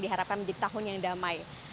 diharapkan menjadi tahun yang damai